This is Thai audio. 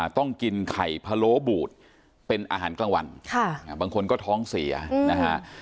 ต้องกินไข่พะโล้บูดเป็นอาหารกลางวันบางคนก็ท้องเสียนะฮะ